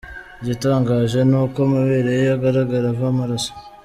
Igitangaje ni uko amabere ye agaragara ava amaraso.